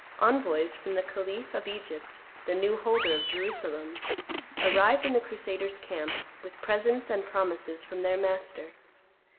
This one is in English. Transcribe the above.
Envoys from the khalif of Egypt, the new holder of Jerusalem, arrived in the crusaders' camp, with presents and promises from their master.